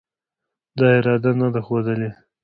دا اراده نه ده ښودلې